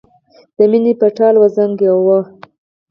د مینې په ټال وزنګاوه.